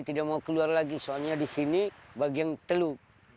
tidak mau keluar lagi soalnya di sini bagian teluk